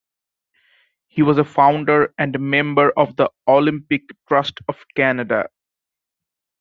He was a founder and member of the Olympic Trust of Canada.